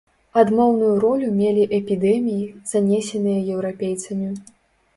Адмоўную ролю мелі эпідэміі, занесеныя еўрапейцамі.